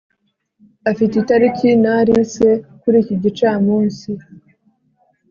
afite itariki na alice kuri iki gicamunsi